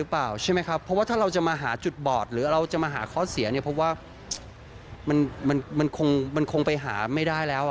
เพราะว่ามันคงไปหาไม่ได้แล้ว